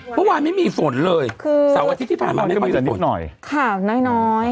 เมื่อวานไม่มีฝนเลยคือเสาร์อาทิตย์ที่ผ่านมาไม่ค่อยจะฝนหน่อยค่ะน้อยน้อย